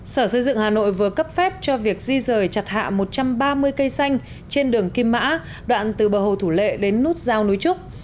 sở xây dựng hà nội vừa cấp phép cho việc di rời chặt hạ một trăm ba mươi cây xanh trên đường kim mã đoạn từ bờ hồ thủ lệ đến nút giao núi trúc